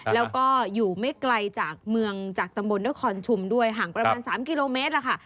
แล้วก็อยู่ไม่ไกลจากเมืองจากตำบลนครชุมด้วยห่างประมาณ๓กิโลเมตรล่ะค่ะ